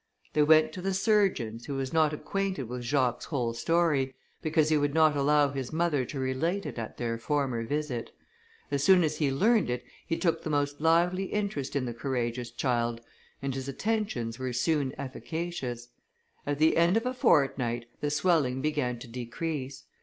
They went to the surgeon's, who was not acquainted with Jacques's whole history, because he would not allow his mother to relate it at their former visit. As soon as he learned it, he took the most lively interest in the courageous child, and his attentions were soon efficacious. At the end of a fortnight, the swelling began to decrease.